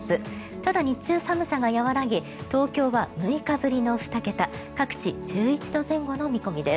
ただ、日中寒さが和らぎ東京は６日ぶりの２桁各地、１１度前後の見込みです。